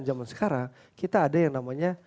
zaman sekarang kita ada yang namanya